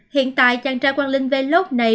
hiện tại chàng trai quang linh vlog này